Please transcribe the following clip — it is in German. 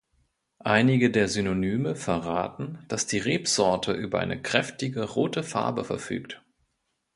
Einige der Synonyme verraten, dass die Rebsorte über eine kräftige rote Farbe verfügt.